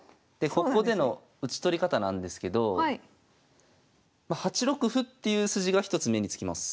ここでの打ち取り方なんですけどま８六歩っていう筋が一つ目に付きます。